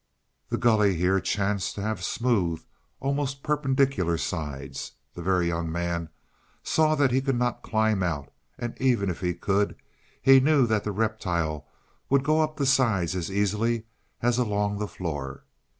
The gully here chanced to have smooth, almost perpendicular sides. The Very Young Man saw that he could not climb out; and even if he could, he knew that the reptile would go up the sides as easily as along the floor.